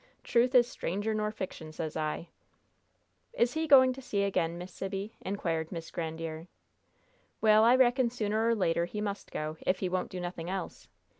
'Truth is stranger nor friction,' sez I." "Is he going to sea again, Miss Sibby?" inquired Miss Grandiere. "Well, I reckon sooner or later he must go, if he won't do nothing else.